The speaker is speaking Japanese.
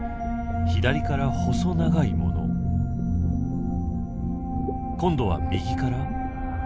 左から細長いもの？今度は右から？